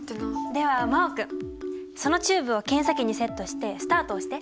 では真旺君そのチューブを検査器にセットして「ＳＴＡＲＴ」押して。